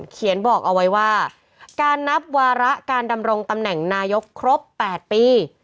เขียนบอกเอาไว้ว่าการนับวาระการดำรงตำแหน่งนายกครบ๘ปี